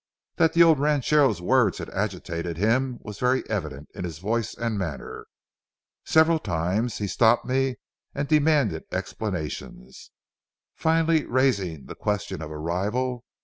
That the old ranchero's words had agitated him was very evident in his voice and manner. Several times he stopped me and demanded explanations, finally raising the question of a rival.